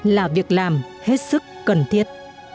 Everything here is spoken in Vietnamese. là việc làm hết sức cần thiết